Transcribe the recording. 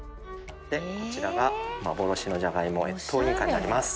こちらが幻のじゃがいも越冬インカになります。